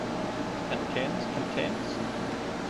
Can cans can cans?